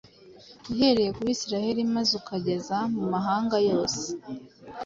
uhereye ku Bisirayeli maze ukageza mu mahanga yose,